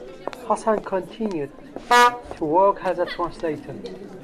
Hasan continued to work as a translator.